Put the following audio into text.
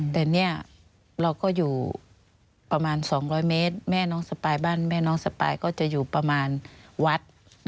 แต่เนี่ยเราก็อยู่ประมาณ๒๐๐เมตรแม่น้องสปายบ้านแม่น้องสปายก็จะอยู่ประมาณวัด